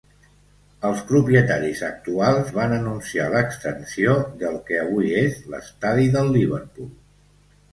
Els propietaris actuals van anunciar l'extensió del que avui és l'estadi del Liverpool.